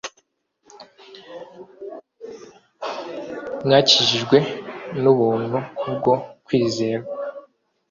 mwakijijwe n'ubuntu kubwo kwizera